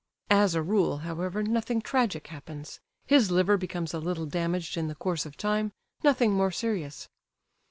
(As a rule, however, nothing tragic happens;—his liver becomes a little damaged in the course of time, nothing more serious.